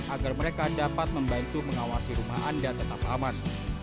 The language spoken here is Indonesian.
agar mereka dapat membantu mengawasi rumah anda tetap aman